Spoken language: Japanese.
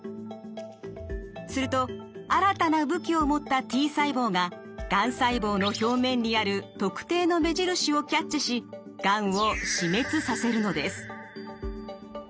すると新たな武器を持ったＴ細胞ががん細胞の表面にある特定の目印をキャッチしがんを死滅させるのです。